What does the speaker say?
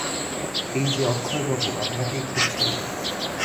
এই-যে অক্ষয়বাবু, আপনাকেই খুঁজছিলুম!